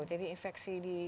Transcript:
jadi infeksi di kandungan